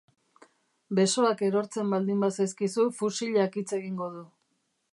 Besoak erortzen baldin bazaizkizu fusilak hitz egingo du.